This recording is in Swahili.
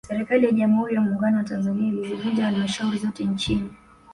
Serikali ya Jamhuri ya Muungano wa Tanzania ilizivunja Halmashauri zote nchini